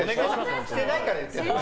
していないから言ってるの。